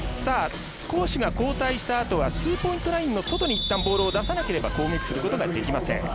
攻守が交代したあとは２ポイントラインの外にいったんボールを出さないと攻撃することができません。